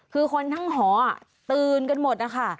คือคนทั้งหอตื่นกันหมดนะคะ